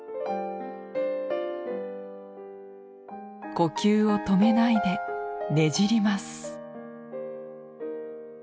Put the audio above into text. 呼吸を止めないでねじります。